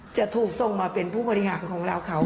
จะถูกส่งมาเป็นผู้บริหารของเราเขา